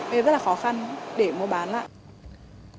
vì rất là khó khăn để mua bán lại